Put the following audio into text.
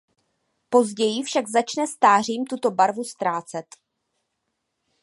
Později však začne stářím tuto barvu ztrácet.